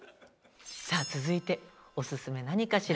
さあ続いておすすめ何かしら？